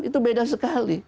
itu beda sekali